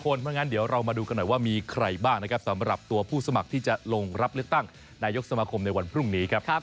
เพราะงั้นเดี๋ยวเรามาดูกันหน่อยว่ามีใครบ้างนะครับสำหรับตัวผู้สมัครที่จะลงรับเลือกตั้งนายกสมาคมในวันพรุ่งนี้ครับ